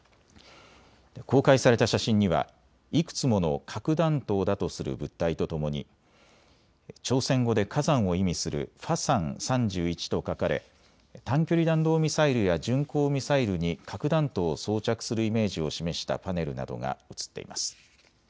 公開された写真にはいくつもの核弾頭だとする物体とともに朝鮮語で火山を意味するファサン３１と書かれ短距離弾道ミサイルや巡航ミサイルに核弾頭を装着するイメージを示したパネルなどが写っています。